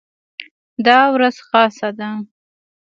دا ورځ خاصه ده.